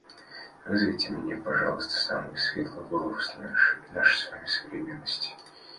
Вызовите мне, пожалуйста, самую светлую голову нашей с вами современности.